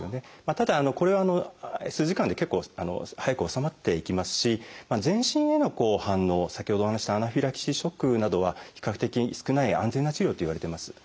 ただこれは数時間で結構早く治まっていきますし全身への反応先ほどお話ししたアナフィラキシーショックなどは比較的少ない安全な治療といわれてます。